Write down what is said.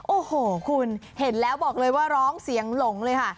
โอ้โหคุณเห็นแล้วบอกเลยว่าร้องเสียงหลงเลยค่ะ